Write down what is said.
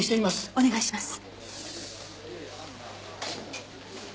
お願いします。